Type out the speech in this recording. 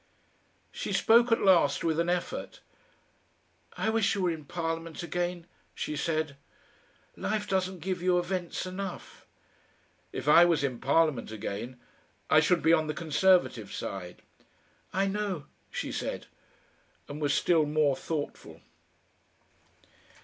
She spoke at last with an effort. "I wish you were in Parliament again," she said. "Life doesn't give you events enough." "If I was in Parliament again, I should be on the Conservative side." "I know," she said, and was still more thoughtful.